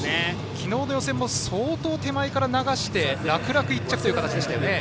昨日の予選も相当手前から流して楽々１着という形でしたよね。